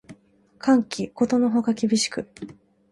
寒気ことのほか厳しく